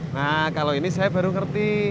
nah kalau ini saya baru ngerti